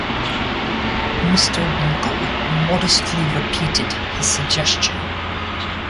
Mr. Winkle modestly repeated his suggestion.